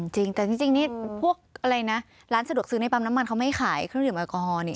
จริงแต่จริงนี่พวกอะไรนะร้านสะดวกซื้อในปั๊มน้ำมันเขาไม่ขายเครื่องดื่มแอลกอฮอลนี่